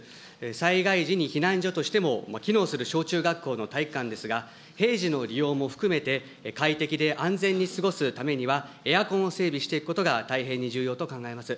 災害時に避難所としても機能する小中学校の体育館ですが、平時の利用も含めて、快適で安全に過ごすためには、エアコンを整備していくことが大変に重要と考えます。